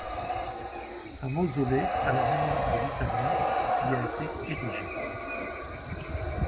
Un mausolée à la mémoire de l'Italien y a été érigé.